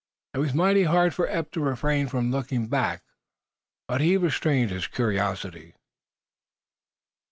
It was mighty hard for Eph to refrain from looking back. But he restrained his curiosity.